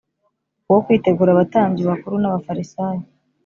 uwo Kwitegura abatambyi bakuru n Abafarisayo